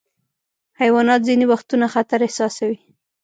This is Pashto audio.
حیوانات ځینې وختونه خطر احساسوي.